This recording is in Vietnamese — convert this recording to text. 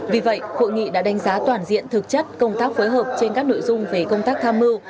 vì vậy hội nghị đã đánh giá toàn diện thực chất công tác phối hợp trên các nội dung về công tác tham mưu